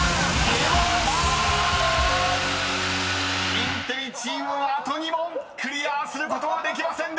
［インテリチームあと２問クリアすることはできませんでした！］